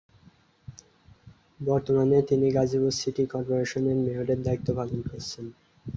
বর্তমানে তিনি Gazipur city corporation এর মেয়রের দায়িত্ব পালন করছেন।